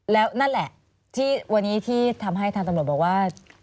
แล้วนั่นแหละที่วันนี้ที่ทำให้ทางตำรวจบอกว่า